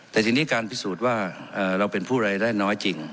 แต่ทีนี้การพิสูจน์ว่าเราเป็นผู้รายได้น้อยจริง